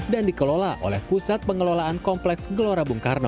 dan dikelola oleh pusat pengelolaan kompleks gelora bung karno